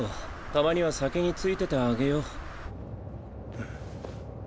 たまには先に着いててあげよう。